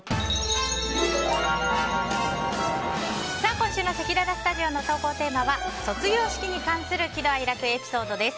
今週のせきららスタジオの投稿テーマは卒業式に関する喜怒哀楽エピソードです。